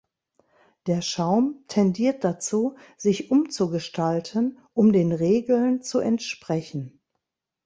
Der Schaum tendiert dazu, sich umzugestalten, um den Regeln zu entsprechen.